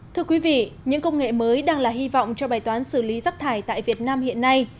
thưa quý vị những công nghệ mới đang là hy vọng cho bài toán xử lý rắc thải tại việt nam hiện nay